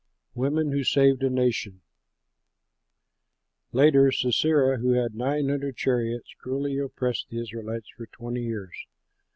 WOMEN WHO SAVED A NATION Later Sisera, who had nine hundred iron chariots, cruelly oppressed the Israelites for twenty years.